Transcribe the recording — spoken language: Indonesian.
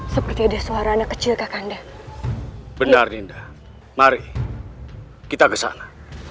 seperti ada suara anak kecil kakak anda benar dinda mari kita kesana